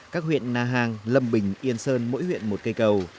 các huyện na hàng lâm bình yên sơn mỗi huyện một cây cầu